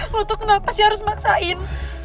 lu tuh kenapa sih harus maksain